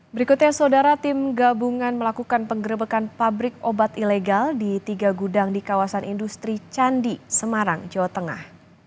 berikutnya saudara tim gabungan melakukan penggerbekan pabrik obat ilegal di tiga gudang di kawasan industri candi semarang jawa tengah